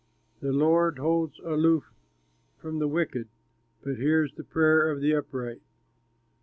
The Lord holds aloof from the wicked, But hears the prayer of the upright.